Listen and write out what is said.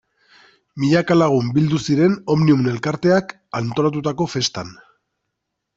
Milaka lagun bildu ziren Omnium elkarteak antolatutako festan.